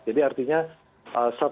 jadi artinya satu tahun ini kita melihat